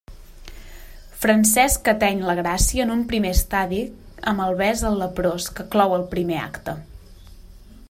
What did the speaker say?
Francesc ateny la gràcia en un primer estadi amb el bes al leprós que clou el primer acte.